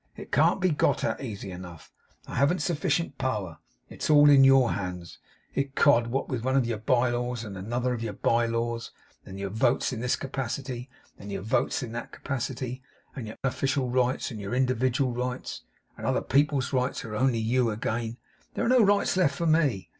It can't be got at easily enough. I haven't sufficient power; it is all in your hands. Ecod! what with one of your by laws, and another of your by laws, and your votes in this capacity, and your votes in that capacity, and your official rights, and your individual rights, and other people's rights who are only you again, there are no rights left for me.